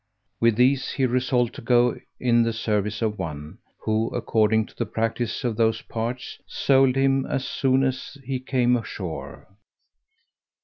With these he resolved to go in the service of one, who, according to the practice of those parts, sold him as soon as he came ashore.